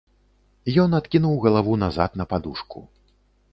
Ён адкінуў галаву назад на падушку.